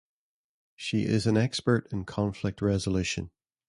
She is an expert in conflict resolution.